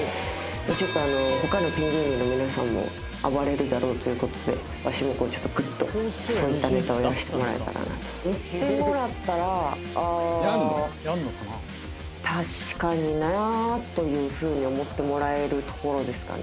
ちょっと他のピン芸人の皆さんも暴れるだろうという事でわしもちょっとグッとそういったネタをやらせてもらえたらなと。というふうに思ってもらえるところですかね。